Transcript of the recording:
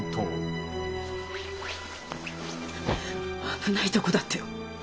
危ないとこだったよ。